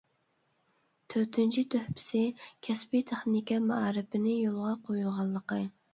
تۆتىنچى تۆھپىسى: كەسپى تېخنىكا مائارىپىنى يولغا قۇيغانلىقى.